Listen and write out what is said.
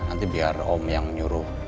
nanti biar om yang nyuruh